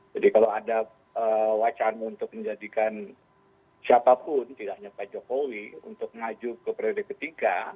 jadi kalau ada wacana untuk menjadikan siapapun tidak hanya pak jokowi untuk maju ke periode ketiga